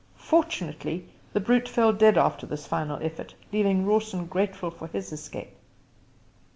Fortunately the brute fell dead after this final effort, leaving Rawson grateful for his escape.